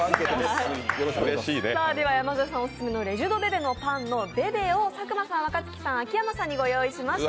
山添さんオススメのレ・ジュ・ド・ベベのベベを佐久間さん、若槻さん、秋山さんにご用意しました。